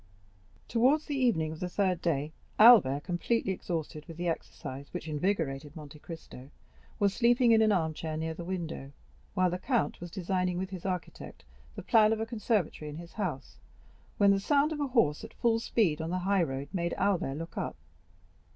Towards the evening of the third day. Albert, completely exhausted with the exercise which invigorated Monte Cristo, was sleeping in an armchair near the window, while the count was designing with his architect the plan of a conservatory in his house, when the sound of a horse at full speed on the high road made Albert look up.